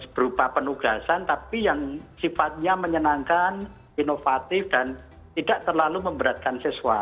berupa penugasan tapi yang sifatnya menyenangkan inovatif dan tidak terlalu memberatkan siswa